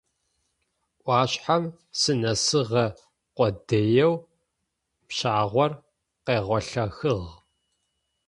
Ӏуашъхьэм сынэсыгъэ къодыеу пщагъор къегъолъэхыгъ.